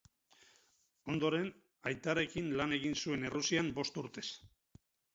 Ondoren, aitarekin lan egin zuen Errusian bost urtez.